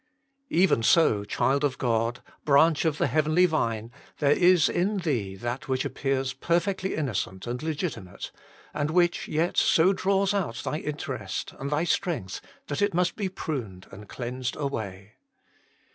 Even so, child of God, branch of the Heavenly Vine, there is in thee that which appears perfectly innocent and legitimate, and which yet so draws out thy interest and thy strength, that it must be pruned and cleansed away.